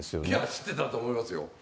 知ってたと思いますよ。